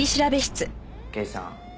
刑事さん